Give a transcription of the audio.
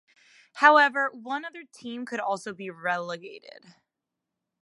However, one other team could also be relegated.